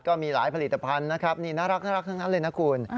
ก็มีหลายผลิตภัณฑ์นะครับนี่น่ารักทั้งนั้นเลยนะคุณ